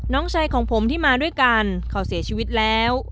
น้องชายของผมที่มาด้วยกันเขาเสียชีวิตแล้ว